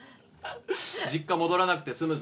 実家戻らなくて済むぞ。